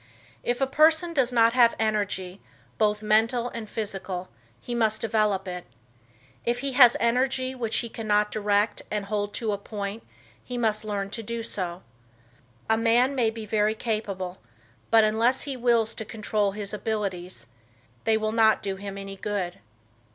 If a person does not have energy, both mental and physical, he must develop it. If he has energy which he cannot direct and hold to a point he must learn to do so. A man may be very capable, but, unless he Wills to control his abilities, they will not do him any good.